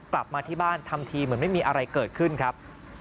กลับมาที่บ้านทำทีเหมือนไม่มีอะไรเกิดขึ้นครับ